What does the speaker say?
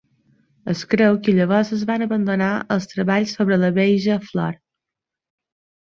Es creu que llavors es van abandonar els treballs sobre la "Beija Flor".